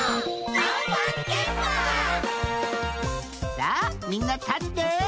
さあみんな立って。